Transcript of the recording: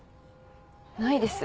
ないです